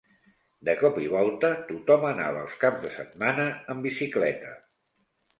De cop i volta tothom anava els caps de setmana en bicicleta